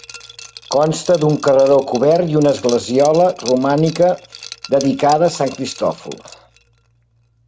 Consta d'un carreró cobert i una esglesiola romànica dedicada a Sant Cristòfol.